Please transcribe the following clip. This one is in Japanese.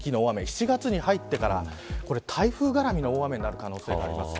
７月に入ってから、台風絡みの大雨になる可能性があります。